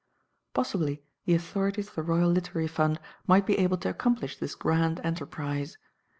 Possibly the authorities of the Royal Literary Fund might be able to accomplish this grand enterprise.